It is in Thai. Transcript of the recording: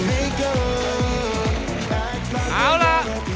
เอาล่ะ